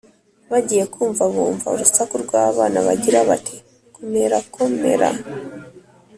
bagiye kumva bumva urusaku rw’abana bagira bati: “komerakomeraaa,